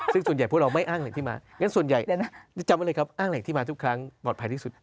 ซึ่งส่วนใหญ่พวกเราไม่อ้างแหล่งที่มางั้นส่วนใหญ่จำไว้เลยครับอ้างแหล่งที่มาทุกครั้งปลอดภัยที่สุด